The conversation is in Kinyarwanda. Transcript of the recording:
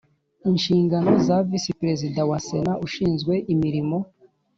Inshingano za Visi Perezida wa Sena ushinzwe imirimo